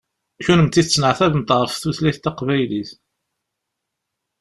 Kunemti tettneɛtabemt ɣef tutlayt taqbaylit.